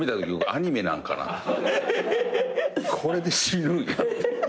これで死ぬんやって。